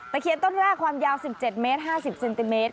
เคียนต้นแรกความยาว๑๗เมตร๕๐เซนติเมตร